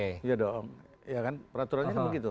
iya dong ya kan peraturannya kan begitu